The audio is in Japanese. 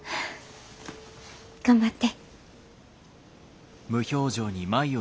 頑張って。